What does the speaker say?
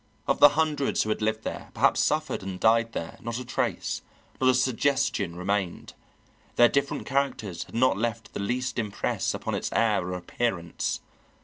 Of the hundreds who had lived there, perhaps suffered and died there, not a trace, not a suggestion remained; their different characters had not left the least impress upon its air or appearance.